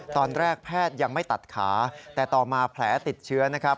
ตอนแรกแพทย์ยังไม่ตัดขาแต่ต่อมาแผลติดเชื้อนะครับ